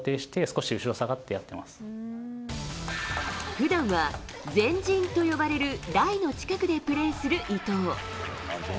普段は前陣と呼ばれる台の近くでプレーする伊藤。